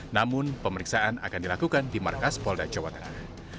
namun pemeriksaan akan dilakukan di markas polda jawa tengah